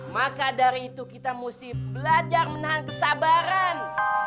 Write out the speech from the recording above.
maka dari itu kita mesti belajar menahan kesabaran